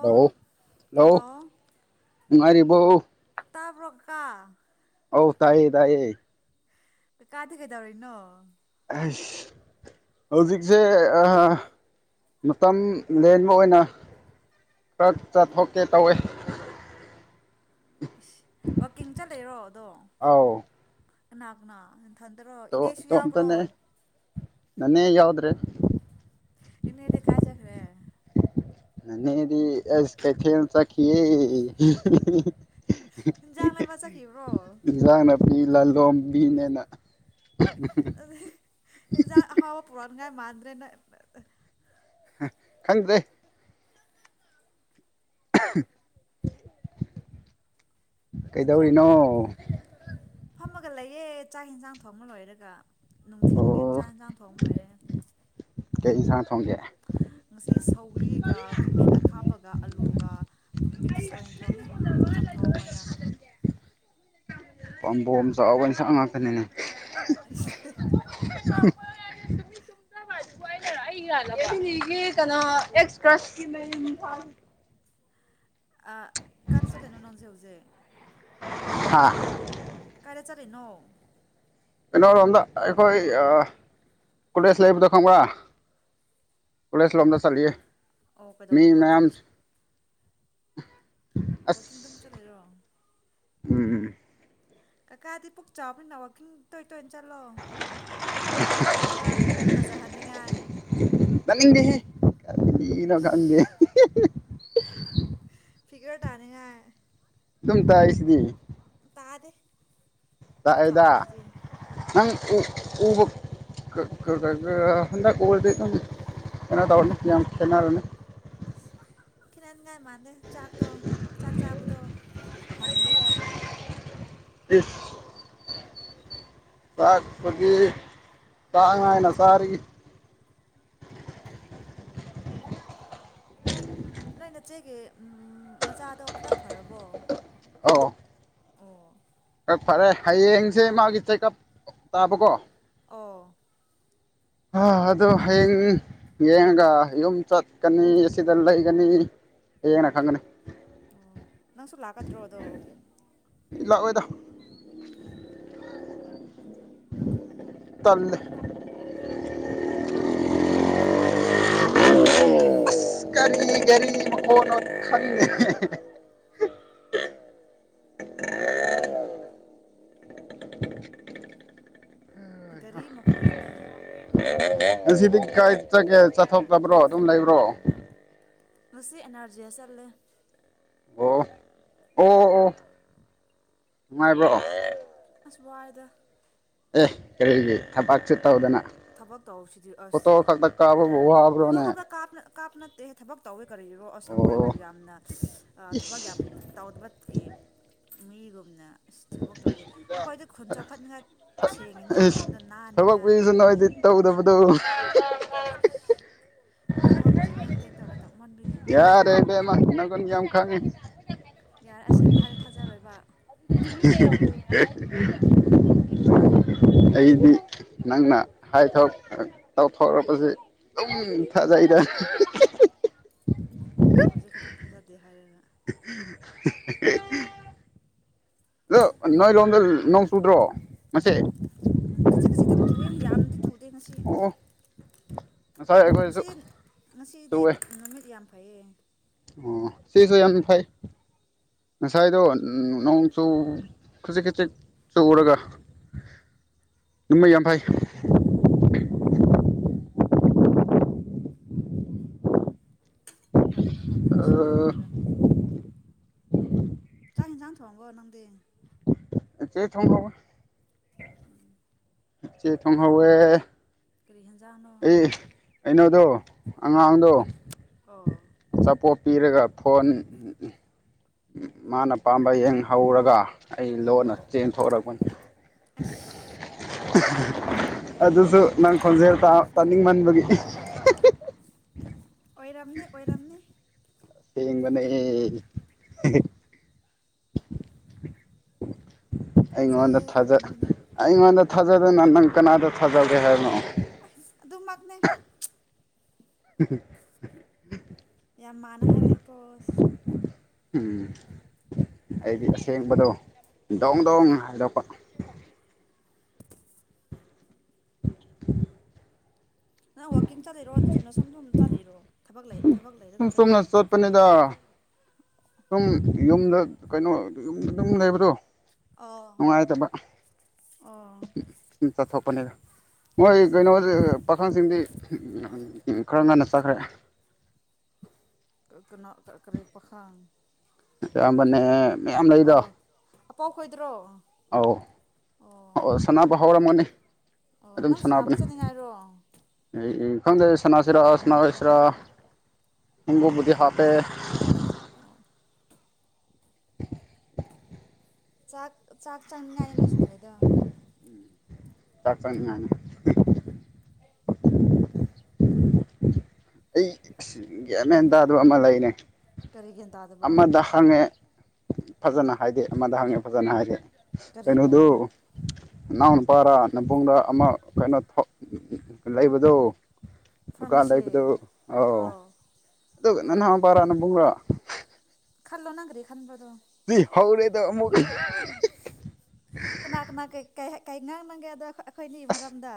Hello hello hello ꯅꯨꯡꯉꯥꯏꯔꯤꯕꯣ ꯑꯇꯥ ꯄ꯭ꯔꯀꯥ ꯍꯧ ꯇꯥꯏꯌꯦ ꯇꯥꯏꯌꯦ ꯀꯥ ꯊ ꯇꯧꯔꯤꯔꯤꯅ ꯍꯧꯖꯤꯛꯁꯦ ꯃꯇꯝ ꯂꯦꯟꯕ ꯑꯣꯏꯅ ꯀ꯭ꯔꯛ ꯆꯥꯊꯣꯛꯀꯦ ꯇꯧꯋꯦ ꯋꯀꯤꯡ ꯆꯠꯂꯦꯔꯣ ꯑꯗꯣ ꯑꯧ ꯀꯅꯥ ꯀꯅꯥ ꯊꯟꯗꯔꯣ ꯇꯣ ꯏꯅꯦꯁꯨ ꯌꯥꯕ꯭ꯔꯣ ꯏꯇꯣꯝꯇꯅꯦ ꯅꯅꯦ ꯌꯥꯎꯗ꯭ꯔꯦ ꯏꯟꯅ ꯑꯦꯗꯤ ꯀꯥ ꯆꯒꯔꯦ ꯅꯅꯦꯗꯤ ꯑꯦꯁ ꯀꯩꯊꯦꯜ ꯆꯠ ꯈꯤꯌꯦ ꯥꯏꯕ ꯆ ꯀꯈꯤꯕꯕ꯭ꯔꯣ ꯃꯤ ꯂꯂꯣꯝꯕꯤꯅꯤꯅ ꯍꯖꯥ ꯑꯕ ꯄꯨꯔꯅꯒꯥꯏ ꯃ ꯭ꯔꯦꯅ ꯈꯪꯗ꯭ꯔꯦ [unintelligible] ꯏꯟꯖꯥꯡ ꯀꯩꯗꯧꯔꯤꯅꯣ ꯍꯥꯕ ꯐꯝꯃꯒ ꯂꯩꯌꯦꯦ ꯆꯥꯛ ꯌꯦꯟꯖꯥꯡ ꯊꯣꯡꯃ ꯂꯣꯏꯔꯒ ꯅꯨꯡꯊꯤꯟꯒꯤ ꯑꯣ ꯆꯥꯛ ꯏꯟꯁꯥꯡ ꯊꯣꯡ ꯂꯣꯏꯔꯦ ꯀ ꯉꯁꯤ ꯁꯧꯒ꯭ꯔꯤꯒ ꯈꯥꯃꯦꯟ ꯑꯈꯥꯕꯒ ꯑꯂꯨꯒ ꯑꯗꯨꯝ ꯃꯤꯛꯁ ꯑꯣꯏꯅ ꯊꯣꯡꯉꯦ ꯆꯝꯊꯣꯡ ꯑꯣꯏꯅ ꯄꯥꯝꯕꯣꯝ ꯆꯥꯎꯕ ꯏꯟꯁꯥꯡ ꯉꯥꯛꯇꯅꯤꯅꯦ [unintelligible] [unintelligible] ꯀꯅꯥꯣ ꯑꯦꯛꯁꯇ꯭ꯔꯥ ꯑ ꯀꯔ ꯆꯂꯦꯅꯣ ꯅꯪꯖꯦ ꯍꯧꯖꯦ ꯑꯥ ꯀꯥꯏꯔꯦ ꯆꯠꯂꯤꯅꯣ ꯑꯦꯩꯅꯣ ꯔꯣꯝꯗ ꯑꯩꯈꯣꯏ ꯀꯂꯦꯖ ꯂꯥꯏꯐꯗ ꯈꯪ ꯀꯂꯦꯁ ꯎꯝ ꯂꯝꯗꯁꯔꯒꯤ ꯑꯣ ꯃꯤ ꯀꯩꯗꯧꯅꯕ ꯃꯌꯥꯝꯝ ꯆꯨꯝꯅ ꯋꯀꯤꯡꯗꯝ ꯆꯠꯂꯔꯣ ꯎꯝ ꯀ ꯀ ꯑꯗꯤ ꯄꯨꯛ ꯆꯕ ꯅ ꯇ ꯇꯣꯏꯅ ꯆꯠꯂꯣ ꯈꯔ ꯐꯖꯍꯟꯅꯤꯡꯉꯥꯏ ꯅꯅꯤꯡꯦ ꯩꯅꯣ ꯈꯪꯗꯦ [inaudible] ꯏꯁ ꯐꯤꯒꯔꯦ ꯇꯅꯉ ꯇ ꯇ ꯏꯁꯤꯗꯤ ꯇꯔ ꯇꯨ ꯇꯥꯛꯑꯦꯗ ꯆꯥꯁꯤꯗꯤ ꯅꯪ ꯎꯕ ꯍꯟꯗꯛ ꯎꯕꯗꯤ ꯑꯗꯨꯝ ꯈꯦꯠꯅ ꯇꯧꯔꯅꯤ ꯌꯥꯝ ꯈꯦꯠꯅꯔꯅꯤ ꯈ ꯆꯅꯤꯡꯉꯥꯏ ꯃꯥꯟꯅꯦ ꯆꯥꯛꯇꯣ ꯆꯥꯛ ꯆꯥꯕꯗꯣ ꯍꯟꯗꯦꯕ ꯏꯁ ꯆꯥꯛꯄꯒꯤ ꯇꯥꯛꯉꯥꯏꯅ ꯁꯔꯒꯤ ꯅꯣꯏ ꯅꯣꯏ ꯅꯠꯆꯦꯒꯤ ꯎ ꯃꯆꯥꯗꯣ ꯈꯔ ꯐꯔꯕꯣ ꯑ ꯑꯣ ꯐꯔꯦ ꯍꯌꯦꯡꯁꯦ ꯃꯥꯒꯤ ꯆꯦꯛꯑꯞ ꯇꯥꯕꯀꯣ ꯑꯣ ꯑꯗꯨ ꯍꯌꯦꯡ ꯌꯦꯡꯉꯒ ꯌꯨꯝ ꯆꯠꯀꯅꯤ ꯑꯁꯤꯗ ꯂꯩꯒꯅꯤ ꯌꯦꯡꯅ ꯈꯪꯒꯅꯤ ꯑꯣ ꯅꯪꯁꯨ ꯂꯥꯛꯀꯗ꯭ꯔꯣ ꯑꯗꯣ ꯂꯥꯛꯑꯣꯏꯗ ꯇꯜꯂꯦ ꯀꯔꯤ ꯀꯔꯤ ꯃꯈꯅꯣ ꯈ [inaudible] ꯒꯥꯔꯤ ꯃꯈꯣꯟꯅꯤꯅꯦ [inaudible] ꯉꯁꯤꯗꯤ ꯀꯥꯏ ꯆꯠꯒꯦ ꯆꯠꯊꯣꯛꯇꯕ꯭ꯔꯣ ꯑꯗꯨꯝ ꯂꯩꯕ꯭ꯔꯣ ꯉꯁꯤ ꯑꯦꯅꯥꯔꯖꯤꯗ ꯆꯠꯂꯦ ꯑꯣ ꯑꯣ ꯑꯣ ꯅꯨꯡꯉꯥꯏꯕ꯭ꯔꯣ ꯑꯁꯋꯥꯏꯗ ꯑꯦ ꯀꯔꯤꯒꯤ ꯊꯕꯥꯛꯁꯨ ꯇꯧꯗꯅ ꯊꯕꯛ ꯇꯧꯍꯧꯁꯤꯗꯤ ꯑꯁ ꯐꯣꯇꯣ ꯈꯛꯇ ꯀꯥꯞꯄꯕꯨ ꯐꯣꯇꯣ ꯋꯥꯕ꯭ꯔꯣꯅꯦ ꯀꯥꯞꯇ ꯀꯥꯞ ꯀꯥꯞꯅ ꯊꯕꯛ ꯇꯧꯋꯦ ꯀꯔꯤꯔꯣ ꯑꯁ ꯑꯩꯈꯣꯏꯕꯨ ꯑꯣ ꯌꯥꯝꯅ ꯊꯕꯛ ꯌꯥꯝ ꯇꯧꯗꯕꯒꯤ ꯃꯤꯒꯨꯝꯅ ꯑꯁ ꯊꯕꯛ ꯇꯧꯔꯤ ꯑꯩꯈꯣꯏꯗꯤ ꯈꯨꯟ ꯆꯥꯎꯈꯠꯅꯤꯡꯉ ꯁꯦꯡꯉꯤꯅꯦ ꯈꯨꯟꯗꯣ ꯅꯥꯅꯤꯉ ꯇꯧ ꯇꯧ ꯇꯧ ꯏꯁ ꯈꯋꯥꯡꯒ ꯁꯤꯂꯦꯟ ꯇꯦꯛꯇꯧꯔꯦ ꯌꯥꯔꯦ ꯄꯦꯃꯪ ꯌꯥꯝꯝ ꯈꯥꯟ ꯌꯥꯔꯦ ꯑꯁꯦꯡꯕ ꯍꯥꯏꯔꯗꯤ ꯊꯥꯖꯔꯣꯏꯕ ꯑꯩꯗꯤ ꯅꯪꯅ ꯍꯥꯏꯊꯣꯛ ꯇꯧꯊꯣꯔꯛꯄꯁꯦ ꯑꯗꯨꯝ ꯐꯥꯖꯩꯗ ꯁꯥꯎꯖꯦ ꯈꯤꯇꯪ ꯊꯥꯗꯗꯦ ꯍꯥꯏꯔꯒ [unintelligible] ꯑ ꯅꯣꯏꯔꯣꯝꯗ ꯅꯣꯡ ꯆꯨꯗ꯭ꯔꯣ ꯃꯁꯦ ꯈꯖꯤꯛ ꯈꯖꯤꯛꯇꯪ ꯆꯨꯏꯌꯦ ꯌꯥꯝꯗꯤ ꯆꯨꯗꯦ ꯉꯁꯤ ꯑꯣ ꯉꯁꯥꯏ ꯑꯩꯈꯣꯏꯁꯨ ꯉꯁꯤꯗꯤ ꯉꯁꯤꯗꯤ ꯆꯨꯋꯦ ꯅꯨꯃꯤꯠ ꯌꯥꯝ ꯐꯩꯌꯦ ꯑꯣ ꯁꯤꯁꯨ ꯌꯥꯝ ꯐꯩ ꯉꯁꯥꯏꯗꯣ ꯅꯣꯡꯆꯨ ꯈꯖꯤꯛ ꯈꯖꯤꯛ ꯆꯨꯔꯒ ꯃꯩ ꯌꯥꯝ ꯐꯩ ꯍꯞꯅ ꯍꯞꯅ ꯁꯤꯗꯤ ꯗꯨꯝ ꯈ꯭ꯔ ꯆꯥꯛ ꯏꯟꯁꯥꯡ ꯊꯣꯡꯂꯕ ꯅꯪꯗꯤ ꯆꯦ ꯊꯣꯡꯍꯧꯌꯦ ꯎꯆꯦꯛ ꯊꯣꯡꯍꯧꯑꯦ ꯄꯒ꯭ꯔꯤ ꯍꯦꯟꯟꯖꯥꯅꯣ ꯑꯩꯅꯣꯗ ꯑꯉꯥꯡꯗꯣ ꯑꯣ ꯆꯥꯄꯣꯠ ꯄꯤꯔꯒ ꯐꯣꯟ ꯃꯥꯅ ꯄꯥꯝꯕ ꯌꯦꯡ ꯍꯧꯔꯒ ꯑꯩ ꯂꯣꯟꯅ ꯑꯣ ꯆꯦꯟꯊꯣꯂꯛꯄꯅꯤ ꯑꯁ ꯑꯗꯨꯁꯨ ꯅꯪ ꯈꯣꯟꯖꯦꯜ ꯇꯥꯅꯤꯡꯃꯟꯕꯒꯤ ꯑꯣꯏꯔꯝꯅꯤ ꯑꯣꯏꯔꯝꯅꯦ ꯁꯤꯒꯅꯦ ꯑꯩꯉꯣꯟꯗ ꯐꯖꯩꯌꯦ ꯊꯥꯖ ꯑꯣꯏꯔꯝꯒꯅꯤ ꯑꯩꯉꯣꯟꯗ ꯊꯥꯖꯗꯅ ꯅꯪ ꯀꯅꯥꯗ ꯊꯥꯖꯒꯦ ꯍꯥꯏꯕꯅꯣ [unintelligible] ꯑꯗꯨ ꯃꯛꯅꯦ [unintelligible] ꯌꯥꯝ ꯃꯥꯟꯅ ꯍꯥꯏꯔꯛꯑꯦꯀꯣ ꯑꯁ ꯎꯝ ꯑꯩꯗꯤ ꯑꯁꯦꯡꯕꯗꯣ ꯗꯧ ꯗꯣꯡ ꯍꯥꯏꯗꯣꯛꯄ ꯅ ꯋꯥꯀꯤꯡ ꯆꯥꯂꯤꯔꯣ ꯆꯨꯝꯅ ꯁꯨꯝ ꯁꯨꯝ ꯆꯠꯂꯤꯔꯣ꯫ ꯊꯕꯛ ꯂꯩ꯫ ꯊꯕꯛ ꯂꯩꯔꯒ ꯁꯨꯝ ꯆꯨꯝꯅ ꯆꯠꯂꯤꯔꯣ꯫ ꯆꯠꯄꯅꯤꯗ ꯁꯨꯝ ꯌꯨꯝꯗ ꯀꯩꯅꯣ ꯌꯨꯝꯗ ꯑꯗꯨꯝ ꯂꯩꯕꯗꯣ꯫ ꯑꯥ ꯅꯨꯡꯉꯥꯏꯇꯕ ꯑꯣ ꯁꯨꯝ ꯆꯠꯊꯣꯄꯅꯤꯗ꯫ ꯃꯣꯏ ꯀꯩꯅꯣ ꯄꯥꯈꯪꯁꯤꯡꯗꯤ ꯈꯔ ꯉꯟꯅ ꯆꯠꯈ꯭ꯔꯦ꯫ ꯏ ꯀꯅꯥ ꯀꯔꯤ ꯄꯥꯈꯪ꯫ ꯏꯌꯥꯝꯕꯅꯦ ꯃꯌꯥꯝ ꯂꯩꯗ꯫ ꯑꯣ ꯑꯄꯥꯎ ꯈꯣꯏꯗꯔꯣ꯫ ꯑꯧ ꯑꯣ ꯁꯅꯥꯅꯕ ꯍꯧꯔꯝꯃꯅꯤ꯫ ꯑꯣ ꯅꯪ ꯁꯥꯅꯕ ꯆꯠꯅꯤ ꯍꯥꯏꯔꯣ꯫ ꯑꯩ ꯈꯪꯗꯦ ꯁꯅꯥꯁꯤꯔꯥ ꯁꯅꯥꯔꯣꯢꯁꯤꯔꯥ ꯈꯨꯉꯨꯞꯄꯨꯗꯤ ꯍꯥꯞꯄꯦ꯫ ꯑꯣ꯫ ꯆꯥꯛ ꯆꯥꯛ ꯆꯡꯅꯤꯡꯉꯥꯏ ꯅꯣꯏ ꯁꯥꯟꯅꯔꯤꯗꯣ ꯫ ꯆꯥꯛ ꯆꯪꯅꯉꯥꯢꯅꯤ꯫ ꯑꯩ ꯑꯁ ꯒꯌꯥꯟ ꯃꯦꯟ ꯇꯥꯗꯕ ꯑꯃ ꯂꯩꯅꯦ꯫ ꯀꯔꯤ ꯒ꯭ꯌꯥꯟ ꯇꯥꯗꯕ ꯑꯃꯗ ꯍꯡꯉꯦ ꯐꯖꯅ ꯍꯥꯏꯗꯦ ꯑꯃꯗ ꯍꯪꯉꯦ ꯐꯖꯅ ꯍꯥꯏꯗꯦ꯫ ꯀꯔꯤꯕꯣ ꯀꯩꯅꯣꯗꯨ ꯅꯅꯥꯎ ꯅꯨꯄꯥꯔ ꯅꯕꯨꯡꯂ ꯑꯃ ꯀꯩꯅꯣ ꯂꯩꯕꯗꯨ ꯗꯨꯀꯥꯟ ꯐꯥꯔꯃꯥꯁꯤ ꯂꯩꯕꯗꯨ ꯑꯥꯎ꯫ ꯑꯣ ꯑꯗꯨꯒ ꯑꯣ ꯅꯅꯥꯎꯄꯥꯔꯥ ꯅꯕꯨꯡꯔꯥ ꯈꯜꯂꯣ ꯅꯪ ꯀꯔꯤ ꯈꯟꯕ꯭ꯔꯥ ꯗꯣ꯫ ꯁꯤ ꯍꯧꯔꯦꯗꯣ ꯑꯃꯨꯛ [unintelligible] ꯀꯅꯥ ꯀꯅꯥ ꯀꯩ ꯀꯩ [unintelligible] ꯀꯩ ꯉꯥꯡꯅꯒꯦ ꯑꯗꯣ ꯑꯩꯈꯣꯏꯅꯤ ꯑꯁ ꯃꯔꯝꯗ꯫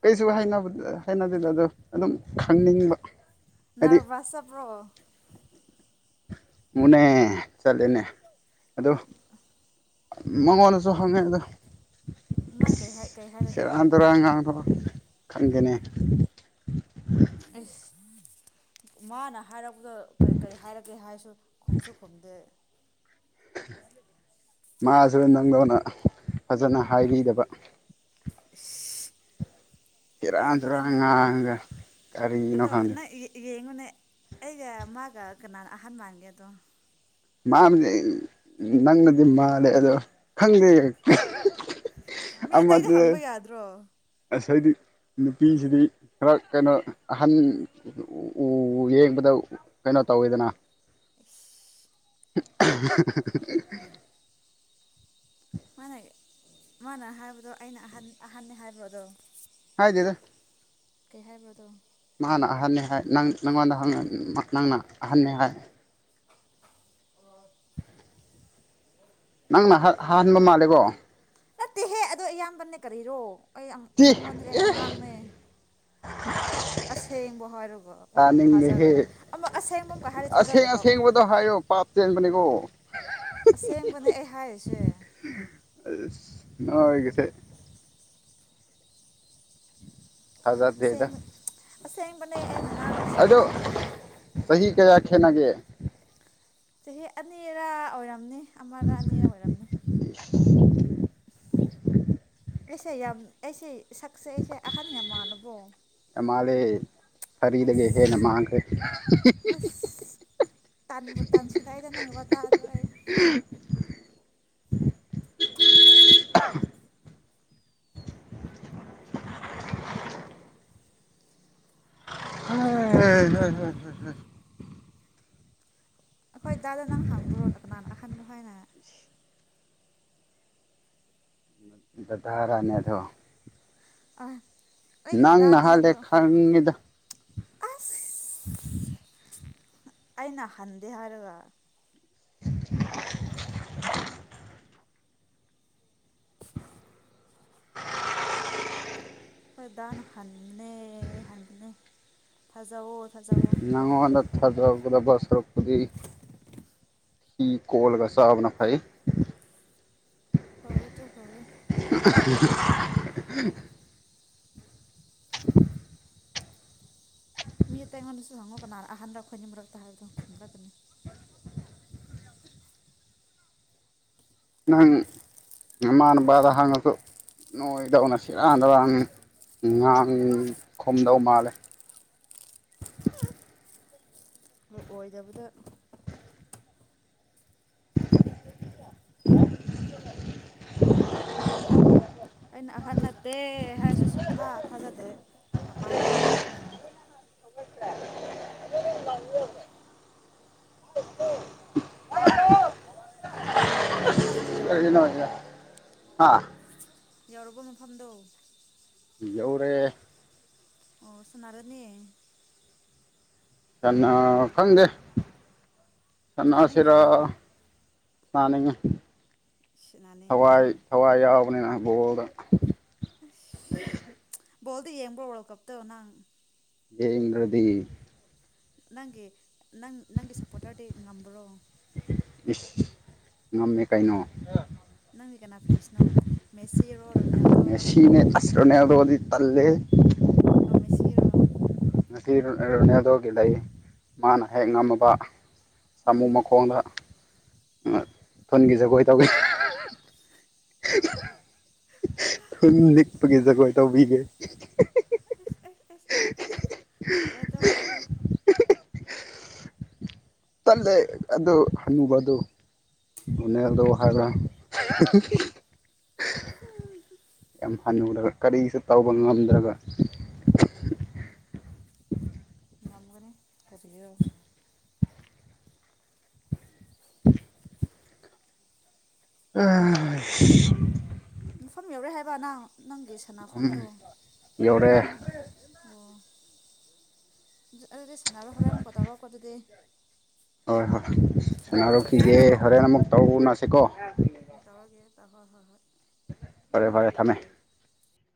ꯀꯩꯁꯨ ꯍꯥꯏꯅꯕ ꯍꯥꯏꯅꯗꯦꯗ ꯑꯗꯣ ꯑꯗꯨꯝ ꯈꯪꯅꯤꯡꯕ꯫ ꯍꯥꯏꯗꯤ ꯅꯔꯚꯁ ꯆꯠꯄ꯭ꯔꯣ꯫ ꯃꯅꯦ ꯆꯠꯂꯅꯦ ꯑꯗꯣ ꯃꯉꯣꯟꯗꯁꯨ ꯍꯛꯉꯦꯗ ꯃꯥꯥꯅ ꯀꯩ ꯀꯩ ꯍꯥꯏꯔꯛꯀꯦ꯫ ꯇꯨꯔꯥꯟ ꯉꯥꯡꯊꯣꯛ ꯈꯪꯗꯦꯅꯦ꯫ ꯑꯩꯁ ꯃꯥꯅ ꯍꯥꯏꯔꯛ ꯑꯗꯨꯒ ꯀꯔꯤ ꯀꯔꯤ ꯍꯥꯏꯔꯒꯦ ꯍꯥꯏꯔꯁꯨ ꯈꯨꯝꯁꯨ ꯈꯨꯝꯗꯦ ꯃꯥꯁ ꯅꯪꯗꯕꯅ ꯐꯖꯅ ꯍꯥꯏꯕꯤꯗꯕ [unintelligible] ꯆꯔꯥꯡ ꯍꯥꯏꯔꯝꯅꯤ ꯆꯨꯔꯥꯡ ꯅꯪꯅ ꯉꯒ ꯀꯔꯤꯅ ꯑꯗꯣ ꯈꯥꯡꯗ ꯅꯪ ꯌꯦꯡꯉꯨꯅꯦ ꯑꯩꯒ ꯃꯒ ꯀ ꯑꯍꯟꯃꯥꯟꯒꯗꯣ ꯃꯥꯗꯤ ꯅꯪꯅꯗꯤ ꯃꯥꯜꯂꯦ ꯑꯗꯣ ꯈꯪꯗꯦ ꯃꯤ ꯑꯇꯩꯗꯤ ꯍꯪꯕ ꯌꯥꯗ꯭ꯔꯣ ꯉꯁꯗꯤ ꯅꯨꯄꯤꯁꯤꯗꯤ ꯈꯔ ꯀꯩꯅꯣ ꯑꯍꯟ ꯎ ꯌꯦꯡꯕꯗ ꯀꯩꯅꯣ ꯇꯧꯋꯦꯗꯅ ꯑ [unintelligible] ꯃꯥꯅ ꯃꯥꯅ ꯍꯥꯏꯕꯗꯣ ꯑꯩꯅ ꯑꯍꯟ ꯑꯍꯟꯅꯅꯤ ꯍꯥꯏꯕ ꯑꯗꯣ ꯍꯥꯏꯥꯏꯗꯦꯗ ꯀꯩ ꯍꯥꯏꯕꯗꯣ ꯃꯥꯅ ꯑꯍꯟꯦ ꯍꯥꯏ ꯅꯣꯟꯗ ꯅꯪꯅ ꯑꯍꯟꯅꯤ ꯍꯥꯏ ꯅꯪꯅ ꯍꯍꯟꯕ ꯃꯥꯜꯂꯦꯀꯣ ꯅꯠꯇꯦꯍꯦ ꯑꯗꯣ ꯑꯌꯥꯝꯕꯅꯦ ꯀꯔꯤꯔꯣ ꯑꯩ ꯇꯤ ꯃꯤꯉꯣꯟꯗꯒꯤ ꯑꯩ ꯑꯉꯥꯡꯅꯦ ꯑꯁꯦꯡꯕ ꯍꯥꯏꯔꯒ ꯇꯥꯅꯤꯡꯗꯦꯍꯦ ꯊꯥꯖꯔꯣꯏꯕ ꯑꯃ ꯑꯁꯦꯡꯕ ꯑꯃꯀ ꯍꯥꯏꯗꯤ ꯑꯁꯦꯡ ꯊꯥꯖꯗꯕ ꯑꯁꯦꯡꯕꯗꯣ ꯍꯥꯏꯌꯣ ꯄꯥꯞ ꯆꯦꯟꯕꯅꯤꯀꯣ ꯑꯁꯦꯡꯕꯅꯦ ꯑꯩ ꯍꯥꯏꯁꯦ ꯅꯣꯏ ꯀꯁꯦ ꯊꯥꯖꯗꯦꯗ ꯑꯁꯦꯡꯕ ꯑꯁꯦꯡꯕꯅꯦ ꯑꯩꯅ ꯉꯥꯡꯉꯤꯁꯦ ꯑꯩ ꯀꯔꯤꯗꯧꯉꯣꯏ ꯈꯅꯒꯦ ꯆꯍꯤ ꯑꯅꯤꯔꯥ ꯑꯣꯏꯔꯝꯅꯤ ꯑꯃꯥ ꯔꯥꯅꯤꯔꯃꯥꯏꯔꯝꯅꯦ [unintelligible] ꯑꯩꯁꯦ ꯌꯥꯝ ꯑꯩꯁꯦ ꯁꯛꯁꯦ ꯑꯩꯁꯦ ꯑꯍꯟ ꯌꯥꯝ ꯃꯜꯂꯨꯕꯣ ꯃꯥꯜꯂꯦ ꯁꯥꯔꯤꯗꯒꯤ ꯑꯁ ꯍꯦꯟꯅ ꯃꯥꯡꯈ꯭ꯔꯦ ꯑꯁ ꯇꯥꯟꯕꯨ ꯇꯥꯟꯁꯤꯗ ꯑꯩꯗ ꯅꯪꯒꯤ ꯋꯥꯇꯥꯗ ꯑꯩ [unintelligible] ꯍ ꯑꯩ ꯍꯣꯏ ꯈꯪꯗ꯭ꯔꯦ ꯈꯪꯗ꯭ꯔꯦ ꯍꯣꯏ ꯀꯅꯥ ꯍ ꯍ ꯑꯩꯈꯣꯏ ꯗꯥꯗ ꯅꯪ ꯍꯪꯕ꯭ꯔꯣꯅ ꯀꯅꯥꯅ ꯑꯍꯟꯗꯣ ꯍꯥꯏꯅ ꯗꯗꯥꯔꯥꯅꯦꯗꯣ ꯑ ꯅꯪ ꯅꯍꯥꯂ ꯈꯥꯡꯗ ꯑꯏꯩꯅ ꯍꯗꯦꯍꯔꯒ [unintelligible] [unintelligible] ꯍꯣꯏ ꯅ ꯍꯪꯅꯦ ꯍꯟꯅꯦ ꯐ ꯊꯖꯥꯎꯑꯣ ꯊꯖꯥꯎꯑꯣ [unintelligible] ꯁꯔꯨꯛꯄꯨꯗꯤ ꯐꯤ ꯀꯣꯜꯂꯒ ꯆꯕꯅꯥ ꯐꯩ ꯍꯧꯏ ꯇꯨ ꯍꯧꯔꯦ [inaudible] ꯃꯤ ꯑꯇꯩꯉꯣꯟꯗꯁꯨ ꯍꯪꯉꯣ ꯀꯅꯥꯔꯥ ꯑꯍꯥꯟꯔ ꯈꯣꯏꯅꯤ ꯃꯔꯛꯇ ꯍꯥꯏꯕꯗꯤ ꯈꯨꯝꯔꯛ ꯀꯅꯤ ꯅꯪ ꯅꯃꯥꯟꯅꯕꯗ ꯍꯥꯡꯉꯁꯨ ꯅꯣꯏꯗꯧꯅ ꯁꯤꯔꯥꯟꯗꯔꯥꯡ ꯉꯥꯡ ꯈꯨꯝꯗꯧ ꯃꯥꯜꯂꯦ ꯑꯣꯏꯗꯕꯗ [inaudible] ꯑꯩꯅ ꯑꯍꯟ ꯅꯠꯇꯦ ꯍꯥꯏꯔꯁꯨ ꯁꯊꯥ ꯊꯥꯖꯗꯦ ꯀꯃꯥꯏꯅ ꯍꯥꯏꯗꯣꯏꯅꯣ ꯈꯪꯕꯅꯅꯤ [inaudible] ꯌꯧꯔꯕꯣ [unintelligible] ꯌꯧꯔꯕ ꯃꯐꯝꯗꯣ ꯌꯧꯔꯦ ꯑꯣ ꯁꯣꯅꯥꯔꯥꯅꯤ ꯀꯥꯅꯥ ꯈꯪꯗꯦ ꯁꯅꯁꯦꯔꯥ ꯁꯥꯟꯅꯅꯤꯡꯗꯕ꯭ꯔꯣ ꯇꯥꯅꯤꯉꯦ꯫ ꯁꯥꯟꯅꯅꯤꯡ ꯊꯋꯥꯏ ꯀꯥꯏꯅ ꯊꯋꯥꯏ ꯌꯥ ꯅꯦꯅ ꯕꯣꯜꯗꯣ ꯕꯣꯜꯗꯤ ꯌꯦꯡꯕ ꯋꯥꯜ ꯀꯞꯇꯣ ꯅꯪ ꯌꯦꯡꯗꯔ꯭ꯗꯤ ꯅꯪꯒꯤ ꯅꯪ ꯅꯪꯒꯤ ꯁꯞꯄꯣꯔꯇꯔꯗꯤ ꯉꯝꯕ꯭ꯔꯣ ꯏꯁ ꯉꯝꯃꯦ ꯀꯩꯅꯣ ꯅꯣꯏ ꯀꯥꯅꯥ ꯐꯦꯟ ꯅꯣ ꯃꯦꯁꯤ ꯔꯣ ꯃꯦꯁꯤꯅꯦ ꯑꯁ꯭ꯔ ꯔꯣꯅꯥꯂꯗꯣꯗꯤ ꯇꯜꯂꯦ ꯑꯃꯦ ꯁꯤꯔꯣ ꯉꯁꯤ ꯔꯣꯅꯦꯗꯣꯒꯤ ꯂꯩ ꯃꯥꯅ ꯍꯦꯛ ꯉꯝꯃꯕ ꯁꯃꯨ ꯎꯝ ꯃꯈꯣꯡꯗ ꯐꯣꯟꯒꯤ ꯖꯒꯣꯏ ꯇꯧꯒꯦ ꯅꯤꯛꯄꯒꯤ ꯖꯒꯣꯏ ꯇꯧꯕꯤꯒꯦ ꯑ ꯑ ꯑꯁ ꯑꯁ ꯑꯁ ꯍꯔꯗ ꯍꯔ ꯇꯜꯂꯦ ꯑꯗꯨ ꯍꯟꯅꯨꯕꯗꯨ ꯅꯣꯅꯦꯜꯗꯣ ꯍꯥꯏꯕ꯭ꯔꯥ ꯌꯥꯝ ꯍꯟꯅꯨꯔ ꯀꯔꯤꯁꯨ ꯇꯧꯕ ꯉꯝꯗ꯭ꯔꯒ ꯏꯝꯒꯔꯤ ꯇꯔꯤꯒꯕ ꯑ ꯃꯐꯝ ꯌꯧꯔꯦ ꯍꯥꯏꯕ ꯅꯪ ꯅꯪꯦ ꯃꯐꯝ ꯁꯅꯥꯐꯝꯗꯣ ꯌꯧꯔꯦ ꯑꯣ ꯑꯣ ꯑꯗꯨꯗꯤ ꯁꯅꯥꯔꯣ ꯍꯣꯔꯦꯜ ꯀꯣ ꯇꯧꯔꯛꯑꯣꯀꯣ ꯑꯗꯨꯗꯤ ꯍꯣꯏ ꯍꯣꯏ ꯁꯅꯥꯔꯨꯈꯤꯒꯦ ꯍꯣꯔꯦꯟ ꯑꯃꯨꯛ ꯇꯨꯅꯁꯤꯀꯣ ꯍ ꯍꯣꯏ ꯍꯣꯏ ꯍꯣꯏ ꯐꯔꯦ ꯐꯔꯦ ꯊꯝꯃꯦ